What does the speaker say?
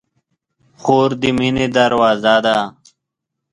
خور د مینې دروازه ده.